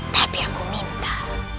tapi aku minta